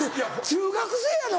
中学生やろ！